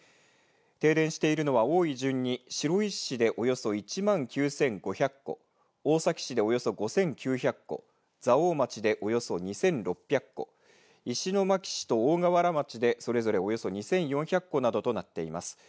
停電しているのは多い順に白石市でおよそ１万９５００戸、大崎市でおよそ５９００戸、蔵王町でおよそ２６００戸、石巻市と大河原町でそれぞれおよそ２４００戸などとなっています。